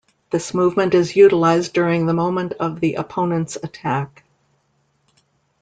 This movement is utilized during the moment of the opponent's attack.